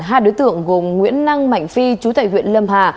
hai đối tượng gồm nguyễn năng mạnh phi chú tại huyện lâm hà